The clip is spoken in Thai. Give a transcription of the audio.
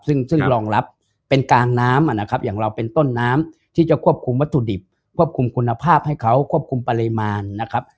ซึ่งรองรับเป็นกลางน้ำนะครับอย่างเราเป็นต้นน้ำที่จะควบคุมวัตถุดิบควบคุมคุณภาพให้เขาควบคุมปริมาณนะครับ